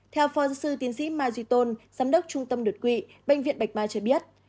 theo phó sư tiến sĩ mai duy tôn giám đốc trung tâm đột quỵ bệnh viện bạch mai cho biết